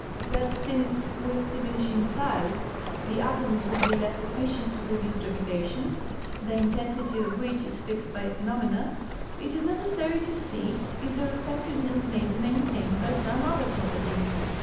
But since, with diminishing size, the atoms would be less efficient to produce gravitation, the intensity of which is fixed by phenomena,' it is necessary to see if their effectiveness may be maintained by some other properties.